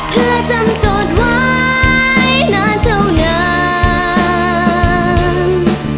เพื่อจำจดไว้นานเท่านั้น